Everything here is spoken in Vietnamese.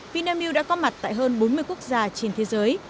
vinamilk đã có mặt tại hơn bốn mươi quốc gia trên thế giới